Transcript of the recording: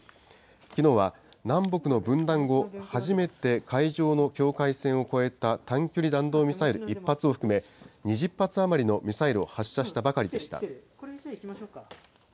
きのうは南北の分断後、初めて海上の境界線を越えた短距離弾道ミサイル１発を含め、２０発余りのミサイルを発射したばかりでした。